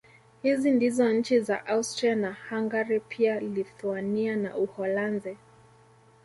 Hizi ndizo nchi za Austria na Hungari pia Lithuania na Uholanzi